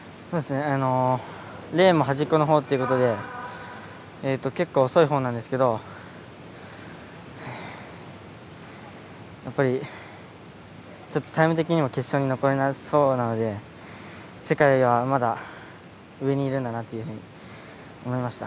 レーンの端っこのほうということで結構遅いほうなんですけどやっぱり、ちょっとタイム的にも決勝に残れなそうなので世界はまだ上にいるんだなというふうに思いました。